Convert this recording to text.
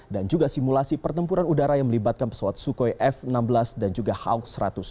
dan juga simulasi pertempuran udara yang melibatkan pesawat sukhoi f enam belas dan juga hauk seratus dua ratus